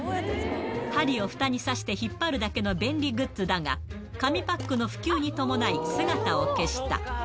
針をふたに刺して引っ張るだけの便利グッズだが、紙パックの普及に伴い、姿を消した。